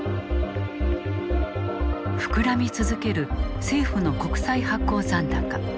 膨らみ続ける政府の国債発行残高。